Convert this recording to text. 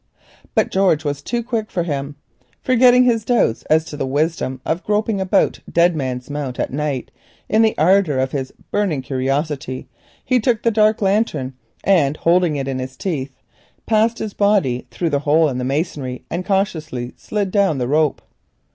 But George was too quick for him. Forgetting his doubts as to the wisdom of groping about Dead Man's Mount at night, in the ardour of his burning curiosity he took the dark lantern, and holding it with his teeth passed his body through the hole in the masonry, and cautiously slid down the rope.